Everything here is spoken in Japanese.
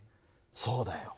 そうだよ。